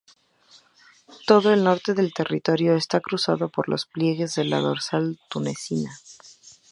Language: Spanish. Todo el norte del territorio está cruzado por los pliegues de la Dorsal tunecina.